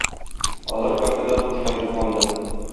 Алар кафеда бушлай тукланды.